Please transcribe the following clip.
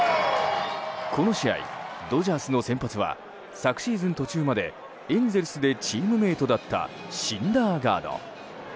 この試合、ドジャースの先発は昨シーズン途中までエンゼルスでチームメートだったシンダーガード。